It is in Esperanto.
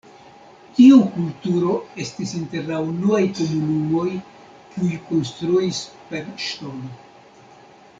Tiu kulturo estis inter la unuaj komunumoj, kiuj konstruis per ŝtono.